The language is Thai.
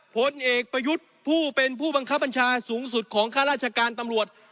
ผลเอกประยุทธ์ผู้เป็นผู้บังคับบัญชาสูงสุดของข้าราชการตำรวจ